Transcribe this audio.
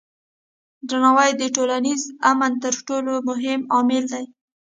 درناوی د ټولنیز امن تر ټولو مهم عامل دی.